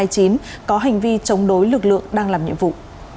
bốn mươi ba c ba nghìn năm trăm hai mươi chín có hành vi chống đối lực lượng đang làm nhiệm vụ